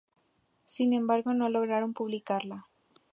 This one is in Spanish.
Sin embargo, no lograron publicarla.